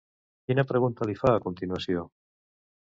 Quina pregunta li fa a continuació?